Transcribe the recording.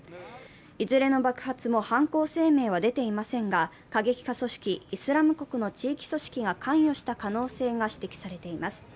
いずれの爆発も犯行声明は出ていませんが過激派組織イスラム国の地域組織が関与した可能性が指摘されています。